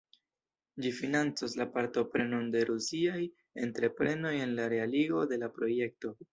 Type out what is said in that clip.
Ĝi financos la partoprenon de rusiaj entreprenoj en la realigo de la projekto.